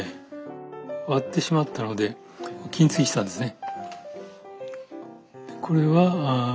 割ってしまったので金継ぎしたんですね。